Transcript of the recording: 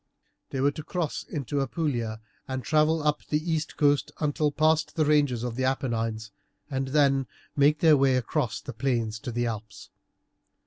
They were to cross into Apulia, to travel up the east coast until past the ranges of the Apennines, and then make their way across the plains to the Alps.